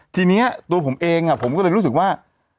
ทีนี้ตัวผมเองผมก็เลยรู้สึกว่า